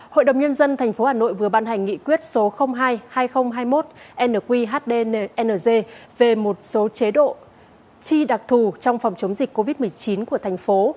hội đồng nhân dân tp hà nội vừa ban hành nghị quyết số hai hai nghìn hai mươi một nqhdnz về một số chế độ chi đặc thù trong phòng chống dịch covid một mươi chín của thành phố